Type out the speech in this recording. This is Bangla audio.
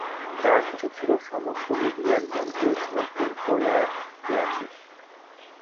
যা-কিছু ছিল সমস্ত বুঝি একজনকে সমর্পণ করিয়া দিয়াছিস?